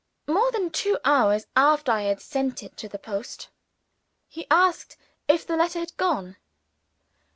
More than two hours after I had sent it to the post, he asked if the letter had gone.